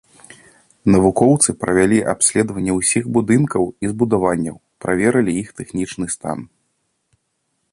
Навукоўцы правялі абследаванне ўсіх будынкаў і збудаванняў, праверылі іх тэхнічны стан.